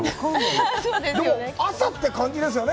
でも朝って感じですよね